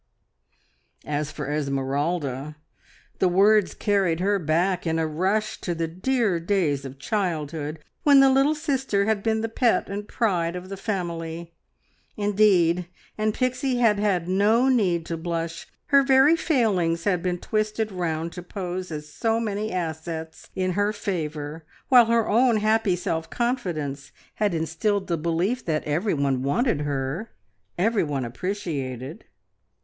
As for Esmeralda, the words carried her back in a rush to the dear days of childhood, when the little sister had been the pet and pride of the family. Indeed, and Pixie had had no need to blush! Her very failings had been twisted round to pose as so many assets in her favour, while her own happy self confidence had instilled the belief that every one wanted her, every one appreciated.